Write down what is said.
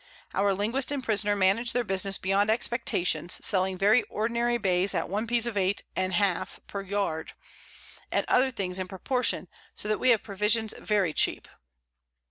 Our Linguist and Prisoner manage their Business beyond Expectation, selling very ordinary Bays at 1 Piece of Eight and half per Yard, and other things in proportion, so that we have Provisions very cheap.